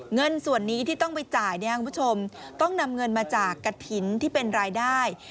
เงินส่วนนี้ที่ต้องไปจ่ายต้องนำเงินมาจากกระถินที่เป็นรายได้